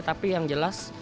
tapi yang jelas